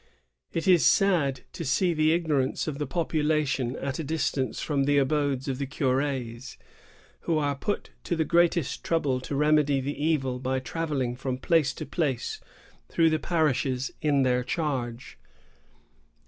"It is sad to see the ignorance of the population at a dis tance from the abodes of the cur^s, who are put to the greatest trouble to remedy the evil by travelling from place to place through the parishes in their charge."